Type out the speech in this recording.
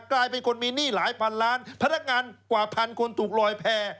กลายเป็นคนมีหนี้หลายพันล้านพนักงานกว่าพันคนถูกลอยแพร่